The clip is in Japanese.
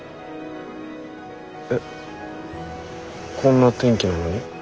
えこんな天気なのに？